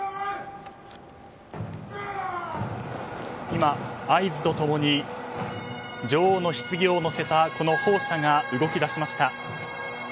今、合図と共に女王のひつぎを載せた砲車が動き出しました。